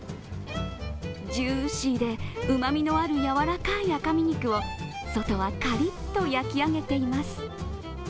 ジューシーでうまみのあるやわらかい赤身肉を外はカリッと焼き上げています。